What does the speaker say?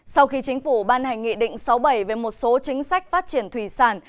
sau khi chính phủ ban hành nghị định sáu bảy về một số chính sách phát triển thủy sản